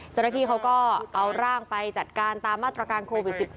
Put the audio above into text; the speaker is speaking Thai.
เจ้าหน้าที่เขาก็เอาร่างไปจัดการตามมาตรการโควิด๑๙